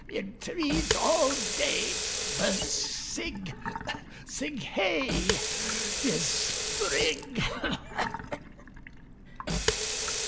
Id trees All day Birds sig. Sig Hey! 'Tis Sprig!